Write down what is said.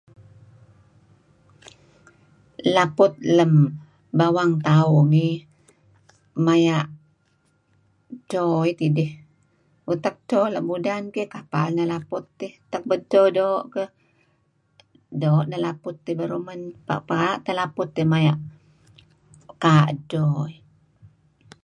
Laput lem bawang tauh ngi maya' dto tidih . Utak dto la' mudan kapal neh laput . Tah dto doo' doo' neh laput dih baruh man. Ka'-ka' teh laput dih maya' pekaa' edto dih.